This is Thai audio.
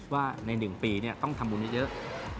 ว่าใน๑ปีต้องทำบุญเยอะ